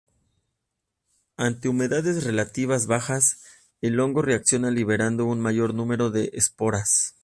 Ante humedades relativas bajas, el hongo reacciona liberando un mayor número de esporas.